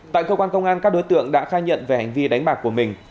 tại cơ quan công an các đối tượng đã khai nhận về hành vi đánh bạc của mình